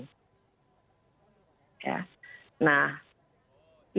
pasti ada ujung ujungnya kan ada ketidakpuasan